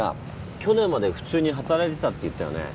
去年まで普通に働いてたって言ったよね。